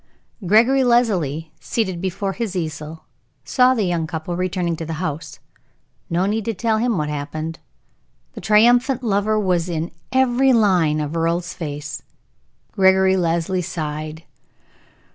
Gregory Leslie, seated before his easel, saw the young couple returning to the house. No need to tell him what had happened. The triumphant lover was in every line of Earle's face. Gregory Leslie sighed.